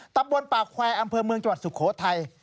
ตำบลปากแควร์อำเภอเมืองจังหวัดสุโขทัย